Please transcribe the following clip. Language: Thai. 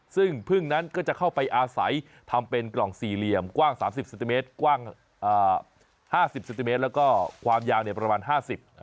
ซึ่งพึ่งนั้นก็จะเข้าไปอาศัยทำเป็นกล่องสี่เหลี่ยมกว้าง๓๐เซนติเมตรกว้าง๕๐เซนติเมตรแล้วก็ความยาวเนี่ยประมาณ๕๐